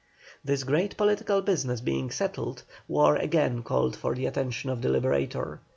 This great political business being settled, war again called for the attention of the Liberator.